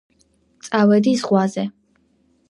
წავედი ზღვაზე